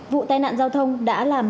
vụ tai nạn giao thông đã làm